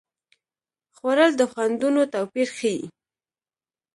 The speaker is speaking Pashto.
خوړل د خوندونو توپیر ښيي